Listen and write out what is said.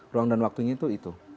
ruang dan waktunya itu itu